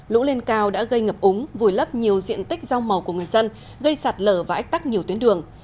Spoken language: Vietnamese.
lũ lên cao đã gây ngập úng vùi lấp nhiều diện tích rau màu của người dân gây sạt lở và ách tắc nhiều tuyến đường